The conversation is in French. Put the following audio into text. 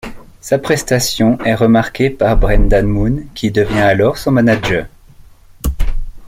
Sa prestation est remarquée par Brendan Moon qui devient alors son manager.